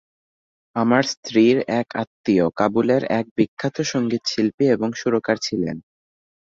আমার স্ত্রীর এক আত্মীয় কাবুলের এক বিখ্যাত সংগীতশিল্পী এবং সুরকার ছিলেন।